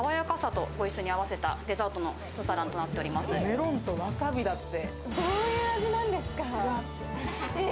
メロンとわさびだって。